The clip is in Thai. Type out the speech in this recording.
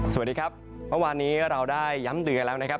สวัสดีครับวันวันนี้เราได้ย้ำตื่นกันแล้วนะครับ